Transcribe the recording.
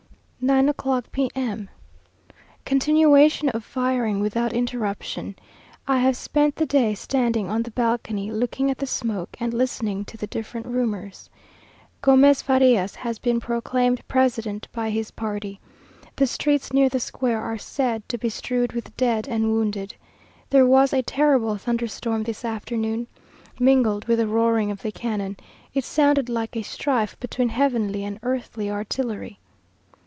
Nine o'clock, P.M. Continuation of firing without interruption. I have spent the day standing on the balcony, looking at the smoke, and listening to the different rumours. Gomez Farias has been proclaimed president by his party. The streets near the square are said to be strewed with dead and wounded. There was a terrible thunderstorm this afternoon. Mingled with the roaring of the cannon, it sounded like a strife between heavenly and earthly artillery.